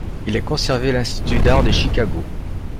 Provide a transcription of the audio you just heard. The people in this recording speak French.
Il est conservé à l'Institut d'art de Chicago.